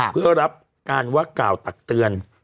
เพื่อรับการว่ากล่าวตักเตือน